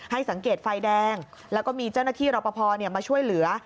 สังเกตไฟแดงแล้วก็มีเจ้าหน้าที่รอปภมาช่วยเหลือ